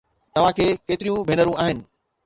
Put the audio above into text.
توهان کي ڪيتريون ڀينرون آهن؟